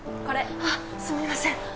あっ。すみません